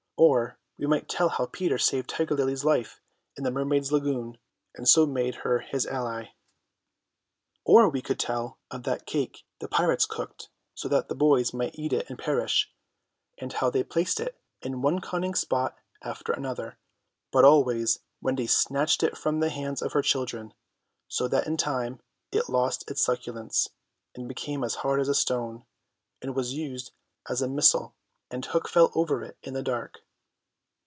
Or we might tell how Peter saved Tiger Lily's life in the Mermaids' Lagoon, and so made her his ally. Or we could tell of that cake the pirates cooked so that the boys might eat it and perish; and how they placed it in one cunning spot after another; but always Wendy snatched it from the hands of her children, so that in time it lost its succulence, and became as hard as a stone, and was used as a missile, and Hook fell over it in the dark.